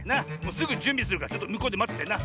すぐじゅんびするからちょっとむこうでまっててな。